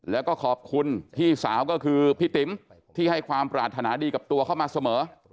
แล้วก็ขอบคุณพี่สาวก็คือพี่ติ๋มที่ให้ความปรารถนาดีกับตัวเข้ามาเสมอ